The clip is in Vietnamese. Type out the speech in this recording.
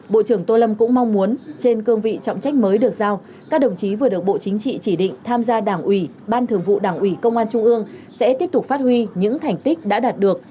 bộ trưởng tô lâm cũng mong muốn trên cương vị trọng trách mới được giao các đồng chí vừa được bộ chính trị chỉ định tham gia đảng ủy ban thường vụ đảng ủy công an trung ương sẽ tiếp tục phát huy những thành tích đã đạt được